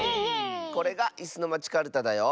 これが「いすのまちカルタ」だよ。